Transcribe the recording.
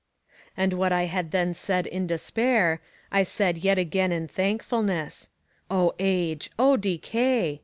"'And what I had then said in despair, I said yet again in thankfulness. O Age! O Decay!